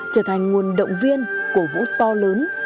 trở thành nguồn động viên của vũ to lớn